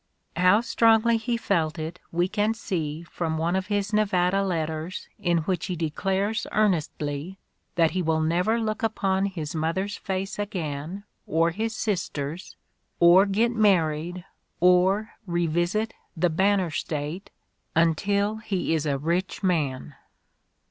How strongly he felt it we can see from one of his Nevada letters in which he declares earnestly that he will never look upon his mother's face again, or his sister's, or get married, or revisit the "Banner State," until he is a rich man.